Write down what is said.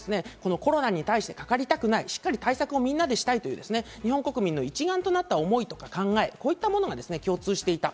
コロナにかかりたくない、しっかりみんなで対策したいという日本国民一丸になっての思いと考え、こういうものが共通していた。